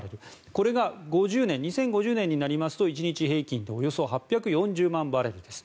これが２０５０年になりますと１日平均でおよそ８４０万バレル。